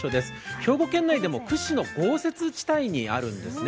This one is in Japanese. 兵庫県内でも屈指の豪雪地帯にあるんですね。